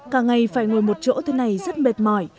cả ngày phải ngồi một chỗ thế này rất mệt mỏi